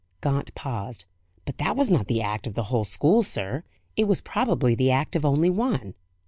Gaunt paused. "But that was not the act of the whole school, sir. It was probably the act of only one."